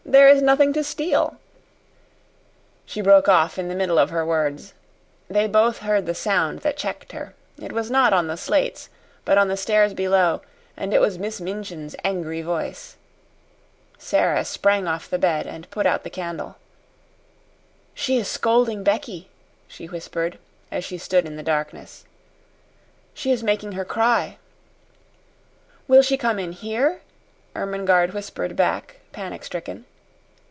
"There is nothing to steal " She broke off in the middle of her words. They both heard the sound that checked her. It was not on the slates, but on the stairs below, and it was Miss Minchin's angry voice. Sara sprang off the bed, and put out the candle. "She is scolding Becky," she whispered, as she stood in the darkness. "She is making her cry." "Will she come in here?" Ermengarde whispered back, panic stricken.